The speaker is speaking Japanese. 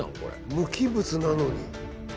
無機物なのに。